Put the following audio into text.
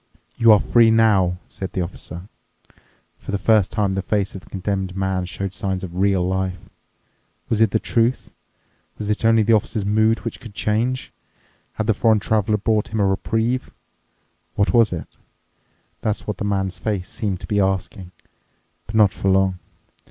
"You are free now," said the Officer. For the first time the face of the Condemned Man showed signs of real life. Was it the truth? Was it only the Officer's mood, which could change? Had the foreign Traveler brought him a reprieve? What was it? That's what the man's face seemed to be asking. But not for long.